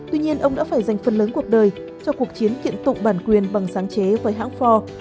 tuy nhiên ông đã phải dành phần lớn cuộc đời cho cuộc chiến kiện tụng bản quyền bằng sáng chế với hãng ford